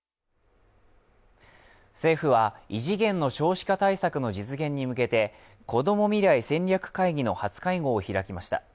政府は異次元の少子化対策の実現に向けてこども未来戦略会議の初会合を開きました。